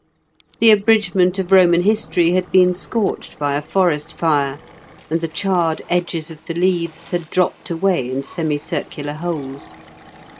The abridgment of Roman history had been scorched by a forest fire, and the charred edges of the leaves had dropped away in semicircular holes.